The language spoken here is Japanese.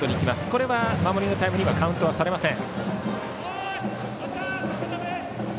これは守りのタイムにはカウントされません。